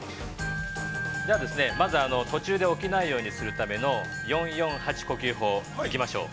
じゃあ、まず途中で起きないようにするための「４４８呼吸法」行きましょう。